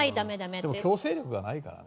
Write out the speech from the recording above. でも強制力がないからね。